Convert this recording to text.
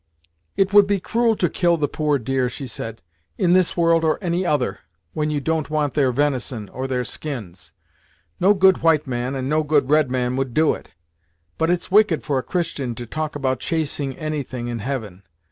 "It would be cruel to kill the poor deer," she said, "in this world, or any other, when you don't want their venison, or their skins. No good white man, and no good red man would do it. But it's wicked for a Christian to talk about chasing anything in heaven.